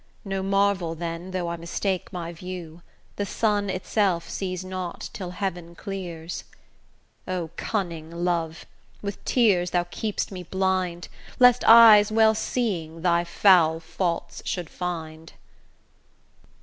No marvel then, though I mistake my view; The sun itself sees not, till heaven clears. O cunning Love! with tears thou keep'st me blind, Lest eyes well seeing thy foul faults should find.